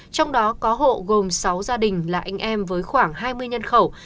trong đó có hộ gồm sáu gia đình là anh em với khoảng hai mươi nhân khẩu